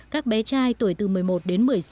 các bé trai tuổi từ một mươi một đến một mươi sáu